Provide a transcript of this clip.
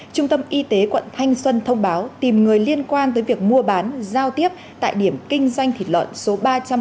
trung tâm y tế quận thanh xuân thông báo tìm người liên quan tới việc mua bán giao tiếp tại điểm kinh doanh thịt lợn số ba trăm một mươi bảy